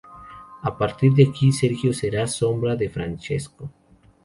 A partir de aquí Sergio será la sombra de Francesco.